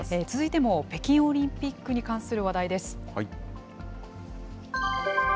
続いても北京オリンピックに関する話題です。